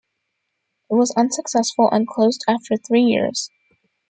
It was unsuccessful, and closed after three years.